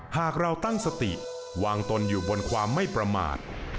หากเราตั้งสติวางตนอยู่บนความไม่ประมาท